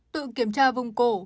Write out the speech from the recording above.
tự kiểm tra vùng cổ